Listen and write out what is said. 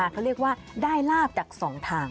เขาเรียกว่าได้ลาบจาก๒ทาง